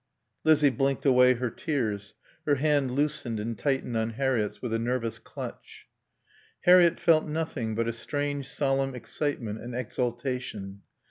Lizzie blinked away her tears; her hand loosened and tightened on Harriett's with a nervous clutch. Harriett felt nothing but a strange, solemn excitement and exaltation.